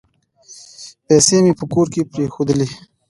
پیسې مي په کور کې پرېښولې .